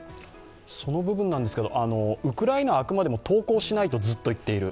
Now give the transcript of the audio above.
その部分ですが、ウクライナあくまでも投降しないとずっと言っている。